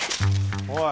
おい。